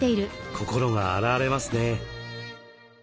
心が洗われますね。